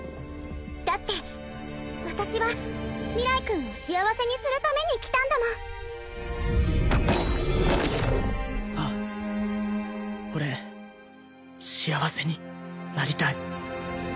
だって私は明日君を幸せにするために来たんだもんああ俺幸せになりたい